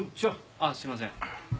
あっすいません。